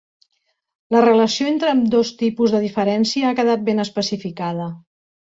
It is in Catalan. La relació entre ambdós tipus de diferència ha quedat ben especificada.